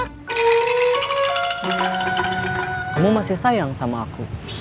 kamu masih sayang sama aku